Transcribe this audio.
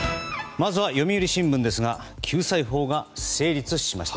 まずは読売新聞ですが救済法が成立しました。